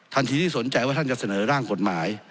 ที่สนใจว่าท่านจะเสนอร่างกฎหมาย